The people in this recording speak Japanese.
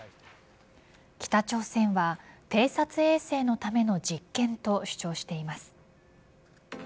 北朝鮮は偵察衛星のための実験と主張しています。